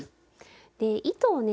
で糸をね